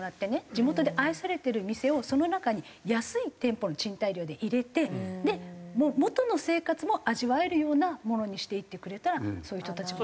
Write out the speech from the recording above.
地元で愛されてる店をその中に安い店舗の賃貸料で入れて元の生活も味わえるようなものにしていってくれたらそういう人たちもね。